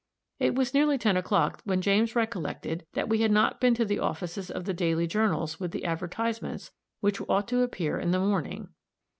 It was nearly ten o'clock when James recollected that we had not been to the offices of the daily journals with the advertisements which ought to appear in the morning.